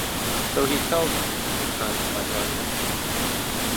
"So he tells me," returned my guardian.